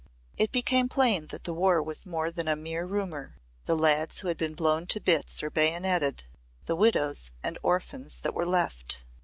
It became plain that the war was more than a mere rumour The lads who had been blown to bits or bayoneted! The widows and orphans that were left!